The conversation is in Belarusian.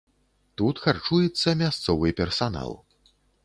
Тут харчуецца мясцовы персанал.